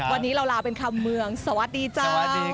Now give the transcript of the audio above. วันนี้เราลาเป็นคำเมืองสวัสดีจ้า